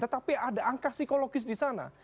tetapi ada angka psikologis disana